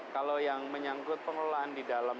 kalau yang menyangkut pengelolaan di dalam